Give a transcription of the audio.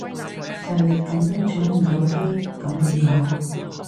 實力緊都搶唔到飛咁點搞？